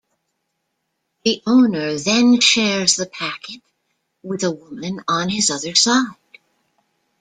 The owner then shares the packet with a woman on his other side.